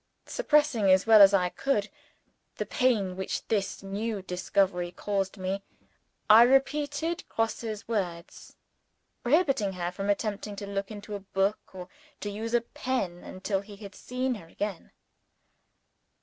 Suppressing as well as I could the pain which this new discovery caused me, I repeated Grosse's words, prohibiting her from attempting to look into a book, or to use a pen, until he had seen her again.